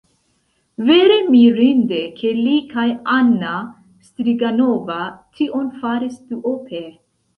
Vere mirinde, ke li kaj Anna Striganova tion faris duope.